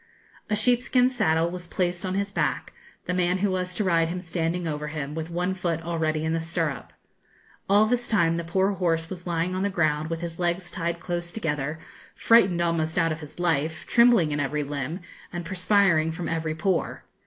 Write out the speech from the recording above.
A sheepskin saddle was placed on his back, the man who was to ride him standing over him, with one foot already in the stirrup. All this time the poor horse was lying on the ground, with his legs tied close together, frightened almost out of his life, trembling in every limb, and perspiring from every pore.